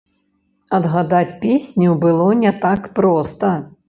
Адгадаць песню было не так проста.